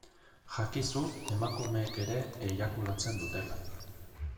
Jakizu emakumeek ere eiakulatzen dutela.